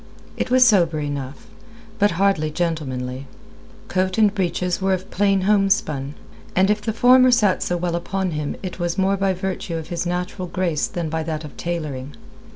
It was sober enough, but hardly gentlemanly. Coat and breeches were of plain homespun; and if the former sat so well upon him it was more by virtue of his natural grace than by that of tailoring.